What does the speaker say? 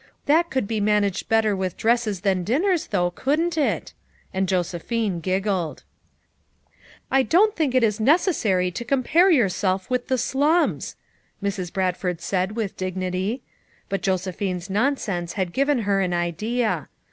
That could be managed better with dresses than dinners, though, couldn't it?" and Josephine giggled. "I don't think it is necessary to compare yourself with the slums," Mrs. Bradford said ^ith dignity. But Josephine's nonsense had given her an idea.